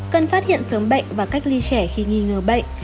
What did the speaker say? cần phát hiện sớm bệnh và cách ly trẻ khi nghi ngờ bệnh